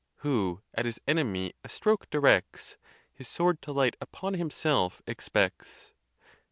Who at his enemy a stroke directs, His sword to light upon himself expects.